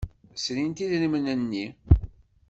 Srint idrimen-nni.